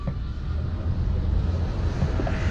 ڪوم ڪرين پيا ليو ھون